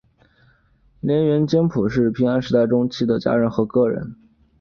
藤原兼辅是平安时代中期的公家和歌人。